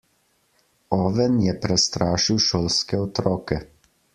Oven je prestrašil šolske otroke.